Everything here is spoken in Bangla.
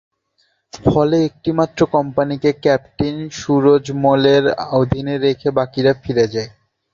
ফলে একটি মাত্র কোম্পানিকে ক্যাপ্টেন সুরযমলের অধীনে রেখে বাকিরা ফিরে যায়।